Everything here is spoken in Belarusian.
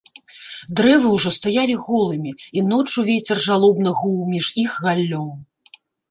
Дрэвы ўжо стаялі голымі, і ноччу вецер жалобна гуў між іх галлём.